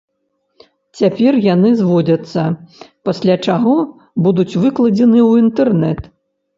Цяпер яны зводзяцца, пасля чаго будуць выкладзеныя ў інтэрнэт.